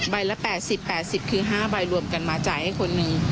ละ๘๐๘๐คือ๕ใบรวมกันมาจ่ายให้คนหนึ่ง